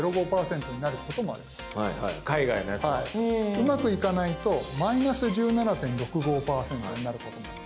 うまくいかないと「−１７．６５％」になることもある。